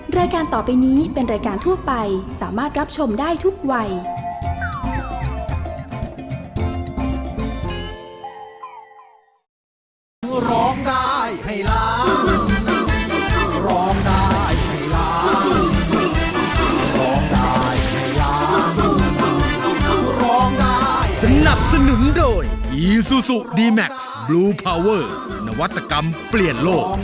รายการต่อไปนี้เป็นรายการทั่วไปสามารถรับชมได้ทุกวัย